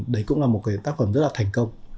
đấy cũng là một cái tác phẩm rất là thành công